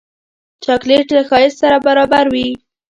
چاکلېټ له ښایست سره برابر وي.